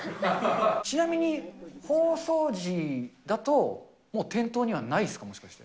ちなみに、放送時だと、もう店頭にはないですか、もしかして。